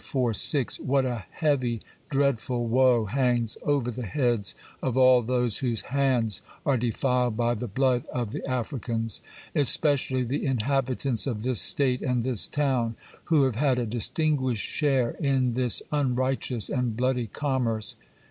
6), what a heavy, dreadful woe hangs over the heads of all those whose hands are defiled by the blood of the Africans—especially the inhabitants of this state and this town, who have had a distinguished share in this unrighteous and bloody commerce!